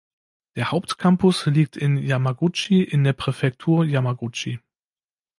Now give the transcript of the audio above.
Der Hauptcampus liegt in Yamaguchi in der Präfektur Yamaguchi.